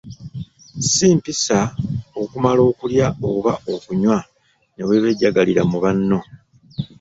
Si mpisa okumala okulya oba okunywa ne weebejjagalira mu banno.